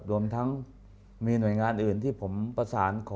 รวมทั้งมีหน่วยงานอื่นที่ผมประสานขอ